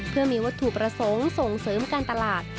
เพื่อมีวัตถุประสงค์ส่งเสริมการตลาด